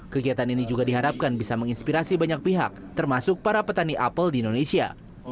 kegiatan ini juga diharapkan bisa menginspirasi banyak pihak termasuk para petani apel di indonesia